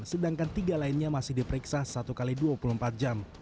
sedangkan tiga lainnya masih diperiksa satu x dua puluh empat jam